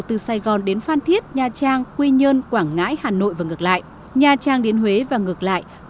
từ sài gòn đến phan thiết nha trang quy nhơn quảng ngãi hà nội và ngược lại